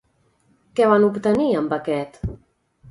Què van obtenir amb aquest?